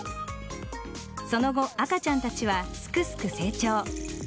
その後、赤ちゃんたちはすくすく成長。